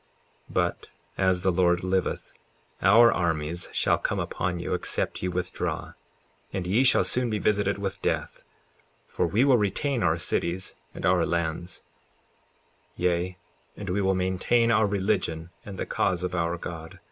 54:10 But, as the Lord liveth, our armies shall come upon you except ye withdraw, and ye shall soon be visited with death, for we will retain our cities and our lands; yea, and we will maintain our religion and the cause of our God.